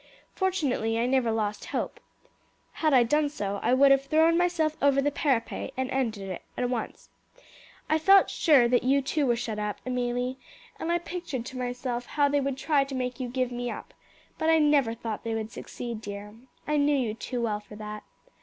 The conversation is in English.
Fortunately I never lost hope. Had I done so I would have thrown myself over the parapet and ended it at once. I felt sure that you too were shut up, Amelie, and I pictured to myself how they would try to make you give me up; but I never thought they would succeed, dear. I knew you too well for that.